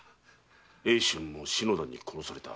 英春も篠田に殺された。